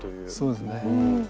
そうですね。